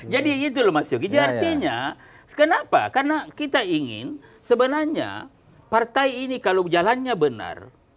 jadi itu masuknya artinya kenapa karena kita ingin sebenarnya partai ini kalau jalannya benar